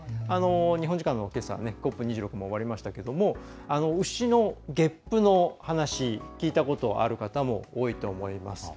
日本時間のけさ、ＣＯＰ２６も終わりましたけれども牛のげっぷの話聞いたことある方も多いと思います。